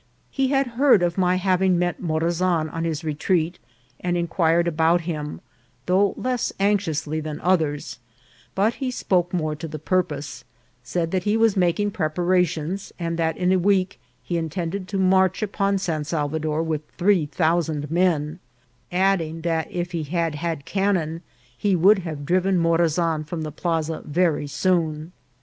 He had heard of rny having met Morazan on his retreat, and inquired about him, though less anxiously than others,, but he spoke more to the purpose ; said that he was making preparations, and in a week he in tended to march upon San Salvador with three thou sand men, adding that if he had had cannon he would have driven Morazan from the plaza very soon.